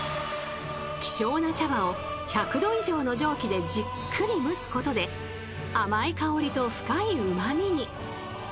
希少な茶葉を１００度以上の蒸気でじっくり蒸すことで甘い香りと深いうまみに。